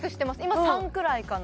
今３くらいかな